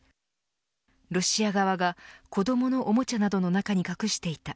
ロシア側が子どものおもちゃなどの中に隠していた。